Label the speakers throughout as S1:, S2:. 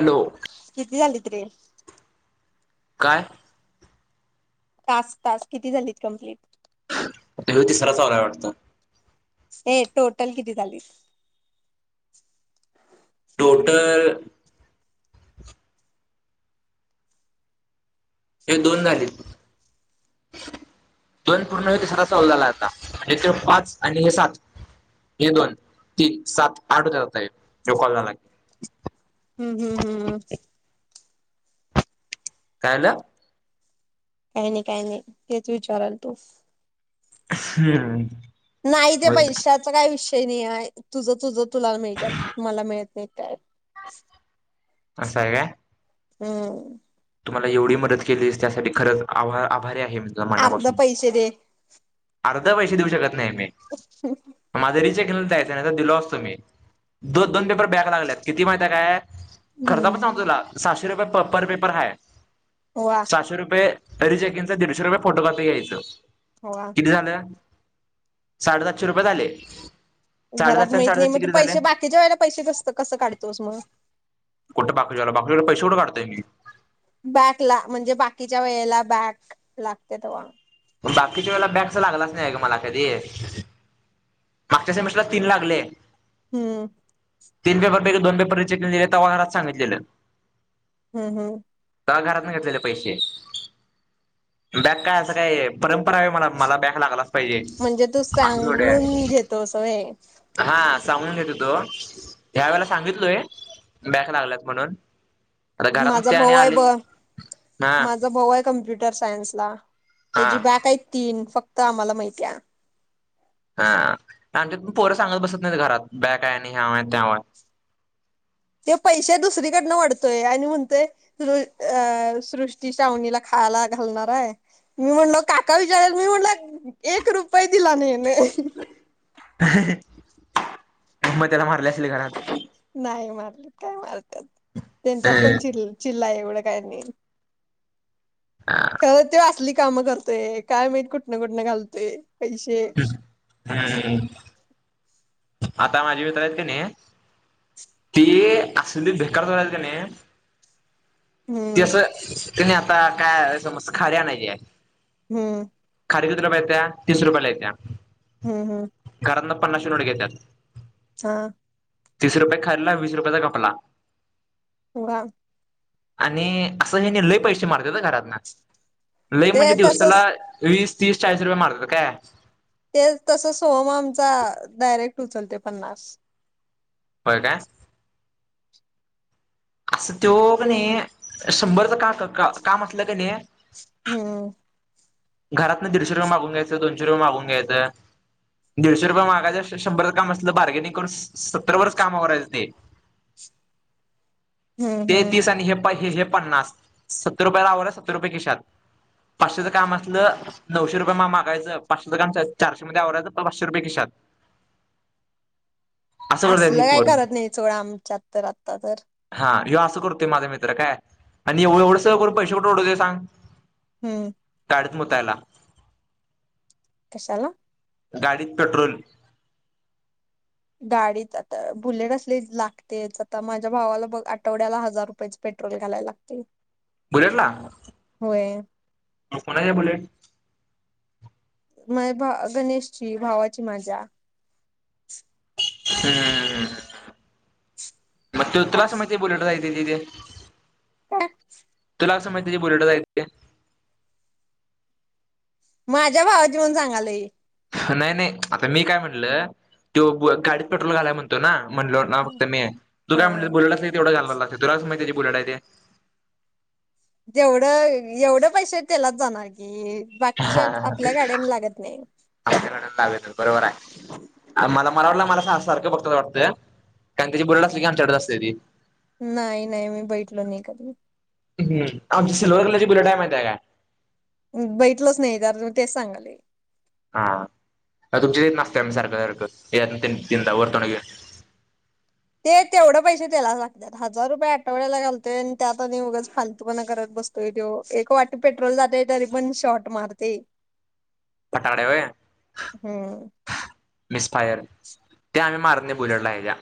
S1: Hello
S2: हम्म
S1: काय
S2: तास तास किती झालीत कं्प्लीट
S1: आता हेवती सरासावरय वाटतं
S2: हे टोटल किती चाली
S1: टोटल हे दोन झाले दोन पूर्ण हो सात चाौ झाला होता आणि ते पाच आणि हे सात हे दोन तीन सात आठ होत जात आहेत कलला लागेल
S2: हम्म हम्म हम्म
S1: कायला
S2: कायही नाही काही नाही तेच विचारल तू
S1: हम्
S2: नाही ते पैक्षाच काय विषय नाही आहे तुझं तुझं तुला मिळ मला मिळत नाही काय
S1: अस स आहे का
S2: हम
S1: तुम्हाला एवढी मदत केली त्यासाठी खरंच आ आभारी आहेझ
S2: अर्ध
S1: मनापासून
S2: पैसे दे
S1: अर्ध पैसे देऊ शकत नाही मी माझरीचेक दिलो असतो मी दो दोन पेपर बॅग लागलेत किती माहती आहे काय खर्चा पण
S2: हम्म
S1: सांग तुला सातशे रुपये पर पेपर हा
S2: वा
S1: सातशे रुपये अिचेकीनचं दीडशे रुपये फोटो कापी यायचं
S2: वा
S1: किती झालं साडेसातशे रुपये झाले
S2: घरात
S1: साडेसातशे आणि
S2: माहत नाही
S1: साडेसातशे
S2: मग तू
S1: किती झाले
S2: पैसे बाकीच्या व्हाळेला पैसेच असत कसं काढतोस मग
S1: कुठे बाकरीवाला बाकीरी पैसेवं काढतय मी
S2: बॅकला म्हणजे बाकीच्या वेळेला बॅक लागते तेव्हा
S1: बाकीच्या वेळेला बॅगस लागलाच नाही ग मला कधी मागच्या समशला तीन लागले
S2: हम्म
S1: तीन पेपरपैकी दोन पेपरक दिले त्या घरात सांगितलेलं
S2: हम्म हम्म
S1: का घरात नाही घेतलेले पैसे बॅग काय असं काय परंपरा आहे मला मला बॅग लागला अस
S2: म्हणजे तू सांगून घेतो असय
S1: ह सांगून घेतो तो ह वेळेला सांगितलोय बॅक लागलात म्हणून आता घरातून
S2: माझा
S1: त्याने
S2: भाऊ आहे
S1: आले
S2: ब
S1: हा
S2: माझा भाऊ आहे कमप्युटर सायन्स ला
S1: हा
S2: त्याची बॅक आहे तीन फक्त आम्हाला माहिती आहे
S1: हा आमच्यात पोरं सांगत बसत नाही घरात बॅग आहे आणि ह्या त्याव आहे
S2: ते पैसे दुसरीकडनं वढतोय आणि म्हणतोय अ सृष्टी शावणीला खा काला घालणार आहे मी म्हणलो काका विचारला मी म्हणल एक रुपये दिला नाही नाही
S1: म त्याला मारले असले घरात
S2: नाही मारले काय मारतात त्यांच्यात पण चि चिल्लाय एवढ काय नाही
S1: हम्म
S2: खरं ते असली कामं करते काय माी कुठनं कुठनं घालते
S1: हम आता माझे मित्र आहेत का नाही ते असली बेकार ल त्या नाही ती
S2: हम्म
S1: असं तने आता काय समज खली आणायची आहे
S2: हम्म
S1: खारी कती रुपया त्या्या तीस रुपयाला य त्या्या
S2: हम्म हम्म
S1: पन्ना शिवड घेतात
S2: हा
S1: तीस रुपयाे खाल्ला वीस रुपयाचा कपला
S2: ह
S1: आणि असं हे लय पैसे मारते ना घरात ना लय
S2: ते
S1: म्हणजे दिवसाला
S2: तसच
S1: वीस तीस चाळीस रुपय मतात का
S2: ते तस सोम आमचा डायरेक्ट उचलते पन्नास
S1: होय काय असं तो का नाही शंभरच का काम असलं का नाही
S2: हम्
S1: घरात ना दीडशे रुपये मागून्यायचं दोनशे रुपये मागून घ्यायचं दीडशे रुपये महागाच्या शंभर काम असलं बार्गेनिंग करून सत्तर वरच कामा करायचं ते
S2: हम्म
S1: ते
S2: हम्म
S1: ततीस आणि हे हे पन्नास सत्तर रुपये लाव सत्तर रुपये किशात पाचशेचं काम असलं नऊशे रुपये मग मागायं पाचशेच काम चारशे मध्ये आवरायचं पाचशे रुपये खिशात हम
S2: असलं काय करत नाही चोळा आमच्यात तर आता तर
S1: ह असं करततेय माझा मित्र काय आणि एव एवढं स करू पैसे कठ वढवते सांग
S2: हम्म
S1: अडत मोतयला
S2: कशाला
S1: गाडीत पेट्रोल
S2: गाडीच आता बुलेट असले लागतेच आता माझ्या भावाला बघ आठवड्याला हजार रुपयाेच पेट्रोल घालायला लागतील
S1: बुलेटला
S2: हो
S1: कोणा आहे बुलेट
S2: म भा गणेशची भावाची माज्या
S1: हम् म ते उत्ला समती बोल दि ददी
S2: का
S1: क स माहितीची बलटे
S2: माझ्या भावाची म्हण सांगालय
S1: नाही नाही आता मी काय म्हणलं तो गाडीत पेट्रोल घालायला म्हणतो ना म्हणल ना फक्त मी आहे तू
S2: हा
S1: काय म्ह बोलला तेवढंालाग तुला गुडडा ते
S2: जेवढं एवढं पैसे त्याला जाणार की बागच्या आपल्या गाड्यान लागत नाही
S1: लागत बरोबर आहे मला मला वाटलं मला सारखं फक्त वाटतं कारण त्याची बुड अस की आमच्याडडेच असते ती
S2: नाही नाही मी बैठलो नाही कधी
S1: हम् आमची सिल्वर कलरची बिले टाईम येत आहे काय
S2: बैठलच नाही तर तेच सांगल
S1: हा अ तुमचे ते नात्या सारखं सारखं तनदा वरतो
S2: ते तेवढं पैसे त्याला लागतात हजार रुपये आठवड्याला घालतोय आणि त्यात आध उगच फालतो का करत बसतोय तो एक वाटी पेट्रोल जाते तरी पण शॉर्ट मारते
S1: पटाड वय
S2: हम्म
S1: मिस फायर ते आम्ही मार नाही बुलेडलाहिच्या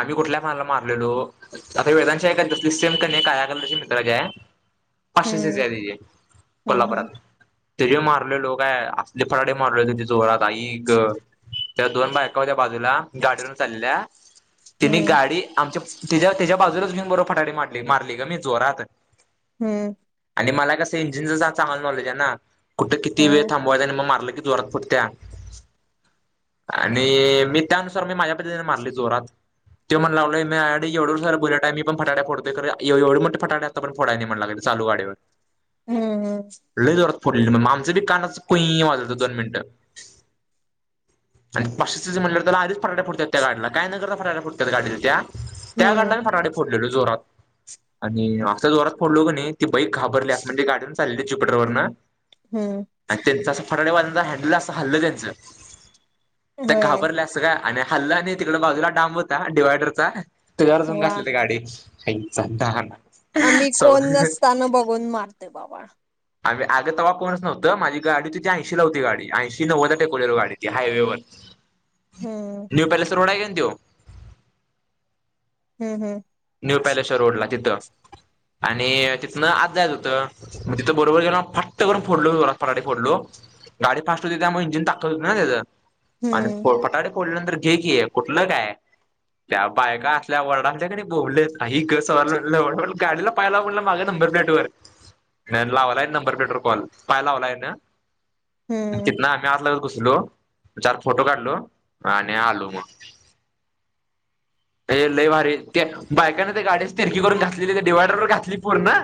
S1: आम्ही कुठल्या पानाला मारलेलो आता वेदांश आहे का तसली सेम क कायल त मित्रा ज आहे पाशे
S2: हम्म
S1: दया दजे
S2: हम्म
S1: कोल्हापुरातात ते जे मारले लोक आहे असले फराडे मारले त जोरात आई ग तेव्हा दोन बायका होत्या बाजूला गाडीवरून चालल्या तिनी
S2: हम्म हम्म
S1: गाडी आमच्याच्या त्याच्या बाजूलाच घेऊन बरो फटाडी मारली मारली ग मी जोरात
S2: हम्म
S1: आणि मला कसं इंजिनचं चांगल नॉलेज आहे ना कुठे किती वेळ
S2: हा
S1: थांबवायचा आणि मग मारलं क जरत पुटत्या आणि मी त्यानुसार मी माझ्या पतीने मारली जोरात ते म्हण लागलो मी एवढ सर बोल्या टा मी पण फा्या फो एवढ मोे फटा्या आता पणोाय नाही म्हण लागे चालू गाडीवर
S2: हम हम
S1: फड आमचं बी कानाच कुई वाजवयचं दोन मिनिटं आणि पाश्ितीच म्हटलं तर आधीच फटाट फडत त्या गाडला काय न करत फटाट फुडत गाडी त्या
S2: हम्म
S1: गाडीला मी फटाडे फोडलेलो जोरात आणि असता जोरात पडलो की नाही ती बाई घाबरली अस म्हणजे गाडी चालली ज्युपिटरवर ना
S2: हम
S1: फटाडेवाजांचा हँडल असं हल्लं त्यांचं त्या
S2: होय
S1: घाबरलं असं का आणि हल्ला आणि तिकड बाजूला डांब होता डिवायडरचा त्याच्यावर जाऊून
S2: वा
S1: घासले ते गाडी आईचा दाना
S2: आम्ही
S1: सव
S2: कोण नसताना बघून मारते बाबा
S1: आम्ही आग तवा कोणच नव्हतं माझी गाडी तझी ऐंशी लाव होती गाडी ऐंशी नव्वदा टेकवलेल गडी ती हायवेवर
S2: हम्म
S1: न्यू पॅलेस रोड आहे का तो
S2: हम्म हम्म
S1: न्यू पॅलेसच्या रोडला तिथं आणि तिथनं आत जायच होतं म तिथं बरोबर गेल फाट्ट करून फोडलो जोरात फटाटे फोडलो गाडी फास्ट होती त्यामुळे इंजिन ताकत होते ना त्याचं
S2: हम्म
S1: आणिोडपटाट बोलल्या नंतर घे क कुठलं काय त्या बायकाल्या वर्डातल्याकडे बोललेत का स गाडीला पाहायला म्होललं माझे नंबर प्लेट ववर नाही लावलाय नंबर प्लेटर कॉल पाय लावलाय ना
S2: हम्म
S1: कि आम्ही आ लो चार फोटो काढलो आणि आलो मग ते लय माारी त्या बायकाने ते गाडी्याच तिरकी करून घातलेली त्या डिवायडरवर घातली पोर ना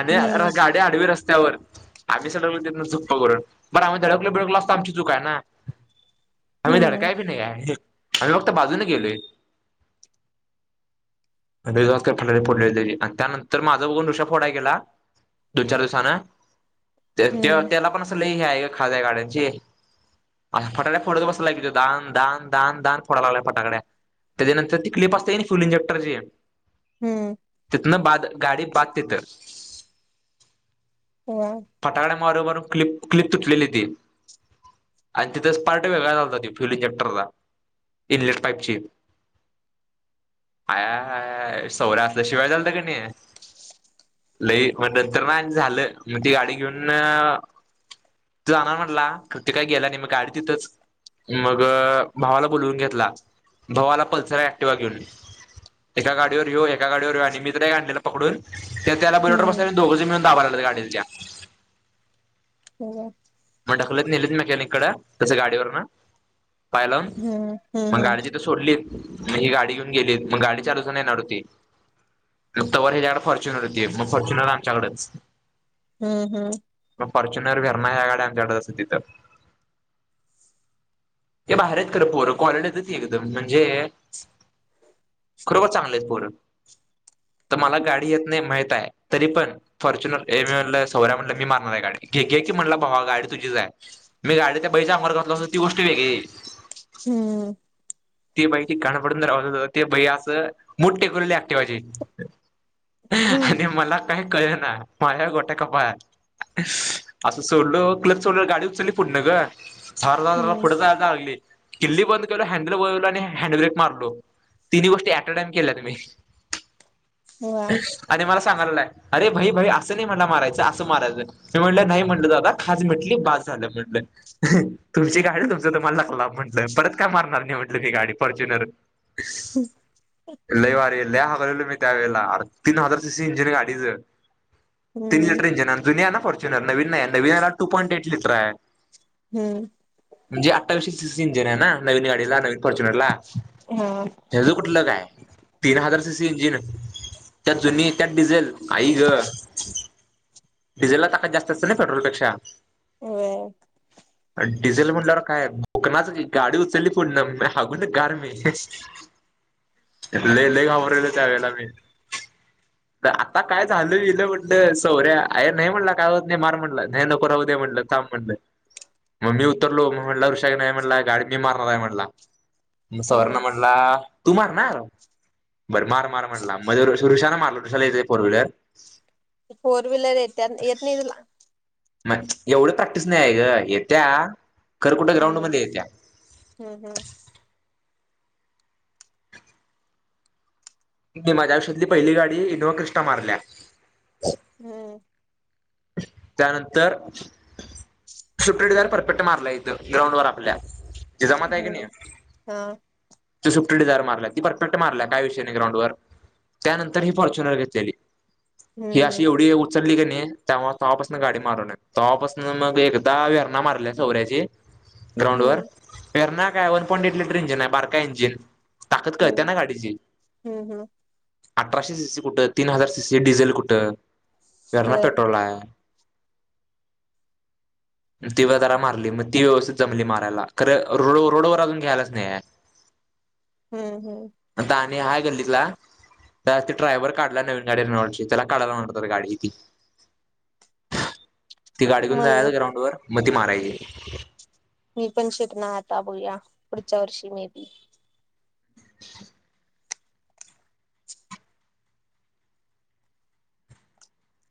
S1: आणि
S2: हम्म
S1: गाडी आडवी रस्त्यावर आम्ही सटकलो त्यां चुक प करून बर आम्ही धडकल भिडकलो असं आमची चूक आहे ना आम्ही
S2: हम्म
S1: धडकाय भी नाही आम्ही फक्त बाजूने गेलोय फ फोडले आणि त्यानंतर माझा बघून ऋषा फोडाय गेला दोन चार दिवसान
S2: हम्म
S1: त्याला पण असं लले हे आहे का खाज् आहे गाड्यांची अ फटाकड्या फोडत बस ति दान दान दान दान फोडाय लागल फटाकड्या त्याच्या नंतर त क्लिप असताते फूल इंजेक्टर जी आहे
S2: हम्म
S1: तितन बा गाडी बाध त तर
S2: हा
S1: मारबार क्लिप क्लिप तुटलेली ती आणि तिथेच पार्ट वेगळा चालतात फ्युल इंजेक्टरचा इलेक्ट पाईपची हया सौर्या असल्या शिवाय झालत कणी लई मग नंतर ना झालं मग ती गाडी घेऊन तू जाणार म्हटला तर ते काय गेला नाही मग गाडी तिथंच मग भावाला बोलवून घेतला भावाला पल्सर ऍक्टिवा घेऊन एका गाडीवर येेऊ एका गाडीवर येेऊ आणि मित्र एक आणलेला पकडून त्या त्याला बूलेटर
S2: हम्म
S1: बसल्या दोघंच मिळून दाबाय लाग गाडीत
S2: हो का
S1: मी ढकलत नेलेत मेकॅनिक कड तस गाडीवर ना पाय लावून
S2: हम्म हम्म
S1: मग गाडीची तर सोडली म ही गाडी घेऊन गेली मग गाडी चालूच नाही येणार होती मग तवर हे जाड फॉर्च्युनर दे मग फॉर्च्युनर आमच्याकडेच
S2: हम्म हम्म
S1: फॉर्च्युनर फिरण या्या गाडी आमच्याकड असत तिथं हे भारी आहेत खरं पोरं कलडतच एकदम म्हणजे खरोबर चांगले पोर तर मला गाडी येत नाही माहित आहे तरी पण फॉर्च्युनर ए म्हणलं सौर्या म्हणलं मी मारणार आहे गाडी घेे की म्हणलं भावा गाडी तुझी आहे मी गाडीत त्या बाईच्या अंगावर घातल असतो ती गोष्ट वेगळी
S2: हम्म
S1: ते बाई त काणंपडूनव ते बाई असं मोठ टेक्युलरली ऍक्टिवायचे मला काही कळे ना माझ्या गोट्या कपाळात असं सोडलो क च गाडी उचलली फुडण ग झाार झा
S2: हम्म
S1: फुढत जाय लागली किल्ली बंद केल हँडल बो आणि हँडब्रेक मारलो तिन्ही गोष्टी अऍट अ टाइम केल्या मी
S2: वा
S1: आणि मला चांग अरे भाई भाई असं नाही मला मारायचं असं मारायचं म म्हणलं नाही म्हटलं जा खज म्हटली बाज झालं म्हटलं तुमची गयड तुमचं तम्हाला लागला म्हण परत काय मारणार नाही म्हटलं की गाडी फॉर्च्युनर लैवार ल हगलेलो मी त्या वेळेला तीन हजार सीसी इंजिन गाडीच तीन
S2: हम्म
S1: लिटर इंजिन जु आहे ना फॉर्च्युनर नवीन नाही नवीनला टू पॉइंट एट लिटर आहे
S2: हम्म
S1: म्हणजे अठ्ावीवशीची सिंजर आहे ना नवीन गाडीला नवीन क
S2: हा
S1: का इंजिन त्यात जुनी त्यात डिझेल आई ग डिझेलला ताकद जास्त असते ना पेट्रोलपेक्षा
S2: व्हय
S1: डिझेल म्हणल्यावर काय? कोकणाच गाडी उचलली पुढणं मी सांगुन गार मी. लय लय घाबरलेलो त्यावेळेला मी. आता काय झालं बिलं म्हणंट सौऱ्या अर नाही म्हणला काय होत नाही मार म्हणलं नाही नको राऊदे म्हणलं थांब म्हणलं. मग मी उतरलो मग म्हटला ऋषाग नाही म्हणला गाडी मी मारणार आहे म्हणला. मग सवऱ्यान
S2: हम्म
S1: म्हटला तू मारणार? बर मार मार म्हटला मजे ऋष ऋषाला मारल ऋषाला यच फोर व्हीलर.
S2: फोर व्हीलर येत्या येत नाही तेला.
S1: मग एवढं प्रॅक्टिस नाही आहे ग येत्या. खरं कुठं ग्राउंड
S2: हम्म
S1: मध्ये येत्या
S2: हम्म हम्.
S1: कि माझ्या आयुष्यातली पहिली गाडी इनोवा क्रिस्टा मारल्या.
S2: हम्म.
S1: त्यानंतर शुटडद परपेट मारला यथ ग्रउंड वर आपल्या. जे
S2: हम्म हा.
S1: त सुट्टी डिझार मारला ती परफेक्ट मारलाय काय विषय नाही ग्राउंडवर. त्यानंतर ही फॉर्च्युनर घेतलेली
S2: हम्म
S1: ही अशी
S2: हम्म
S1: एवढी उचलली की नाही त्यामुळे तपासून गाडी मारून न तपासन मग एकदा वेरणा मारलाय सौर्याची. ग्राउंड वर
S2: हम्म
S1: फेरणार काय one point eight litre engine आहे बारका इंजिन. ताकद कळत्या
S2: हम्म
S1: ना गाडीची.
S2: हम्म हम्म
S1: अठराशे सीसी कुठं तीन हजार सीसी डिझेल कुठं वेरणा
S2: होय
S1: पेट्रोल आहे. [inaudible] ती व जरा मारली मग ती व्यवस्थित जमली मारायला खरं रोड रोडवर अजून घ्यायलाच नाही आहे.
S2: हम्म हम्म.
S1: आता आणि हाय गल्ली तला. जास् ड्रायव्हर काढला नवीन गाडीव त्याला काढायला म्ह गाडी. ती गाडी घेऊन
S2: मग
S1: जाय ग्राउंड वर मग ती मारायची.
S2: मी पण शिपणार आता बूया पुढच्या वर्षी मे बी.
S1: [inaudible]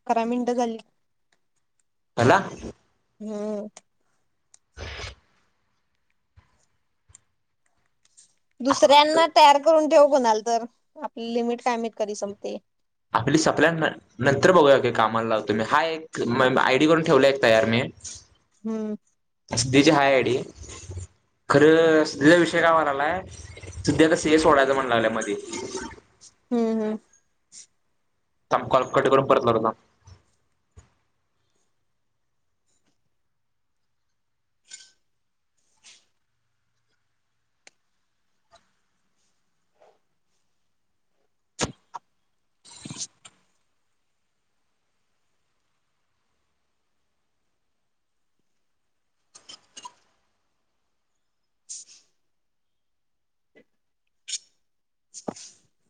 S2: अकरा मिनटं झाली.
S1: हला
S2: हम्म. दुसऱ्यांना तयार करून ठेव कोणालातर आपली लिमिट काय माहित कधी संपते.
S1: आपली सप्ला नंतर बघूया कामाला लावतो मी हा एक आयडी करून ठेवला एक तयार मी. [inaudible]
S2: हम्म.
S1: [unintelligible] खरं लय [unintelligible] विषयावर आलाय सध्या आता सी ऐ सोडायचा म्हणू लागलाय मधी.
S2: हम्म हम्म.
S1: अक्कोलकोट कडून परतणार ना?
S2: श [unintelligible] [inaudible]